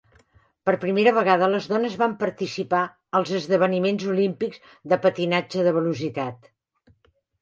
Per primera vegada, les dones van participar als esdeveniments olímpics de patinatge de velocitat.